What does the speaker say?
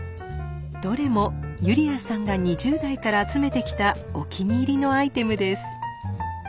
どれもユリアさんが２０代から集めてきたお気に入りのアイテムです。